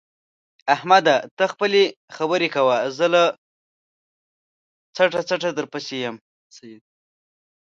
احمده! ته خپلې خبرې کوه زه له څټه څټه درپسې یم.